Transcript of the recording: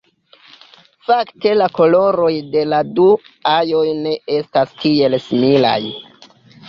Fakte la koloroj de la du aĵoj ne estas tiel similaj.